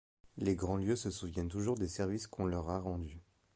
Les Grandlieu se souviennent toujours des services qu’on leur a rendus.